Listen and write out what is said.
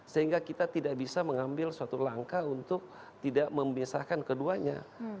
sehingga kita tidak bisa mengambil suatu langkah untuk tidak memisahkan keduanya